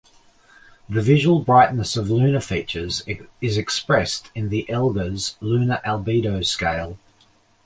The visual brightness of lunar features is expressed in the "Elger's Lunar Albedo Scale".